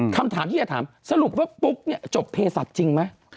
คำถามที่จะถามสรุปว่าปุ๊กเนี่ยจบเพศัตว์จริงไหม